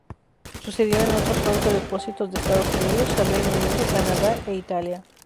Sucedió en otros cuatro depósitos de Estados Unidos, el Reino Unido, Canadá e Italia.